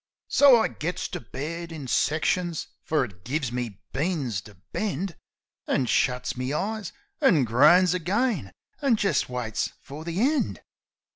So I gets to bed in sections, fer it give me beans to bend. An' shuts me eyes, an' groans again, an' jist waits fer the end.